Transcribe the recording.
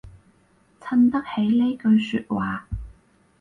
襯得起呢句說話